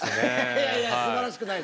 いやいやすばらしくないです。